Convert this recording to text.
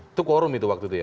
itu quorum itu waktu itu ya